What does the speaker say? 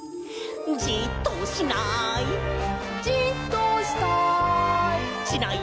「じっとしない」「じっとしたい」「しない！」